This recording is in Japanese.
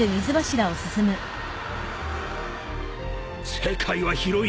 ［世界は広い。